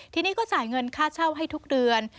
ทีนี้ก็จ่ายเงินค่าเช่าให้ทุกเดือน